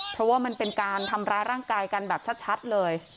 เพราะว่ามันเป็นการทำร้ายร่างกายกันแบบชัดเลย